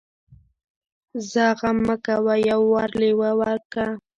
ځه غم مه کوه يو وار لېوه ورک کو.